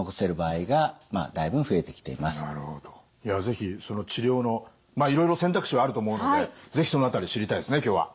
是非その治療のいろいろ選択肢はあると思うので是非その辺り知りたいですね今日は。